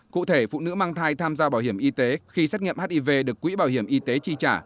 cụ thể phụ nữ mang thai tham gia bảo hiểm y tế khi xét nghiệm hiv được quỹ bảo hiểm y tế chi trả